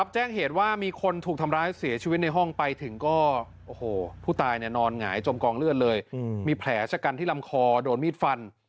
จมกองเลือดเลยอืมมีแผลชะกันที่ลำคอโดนมีดฟัน